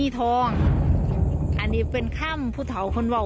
ตอนเย็นนะคะ